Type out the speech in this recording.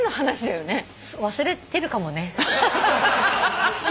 そうね忘れてるかもね。